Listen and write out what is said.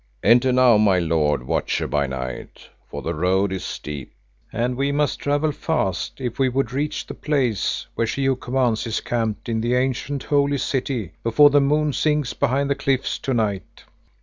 Enter now, my lord Watcher by Night, for the road is steep and we must travel fast if we would reach the place where She who commands is camped in the ancient holy city, before the moon sinks behind the cliffs to night."